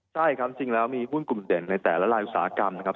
ใช่ครับจริงแล้วมีหุ้นกลุ่มเด่นในแต่ละลายอุตสาหกรรมนะครับ